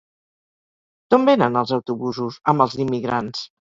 D'on venen els autobusos amb els immigrants?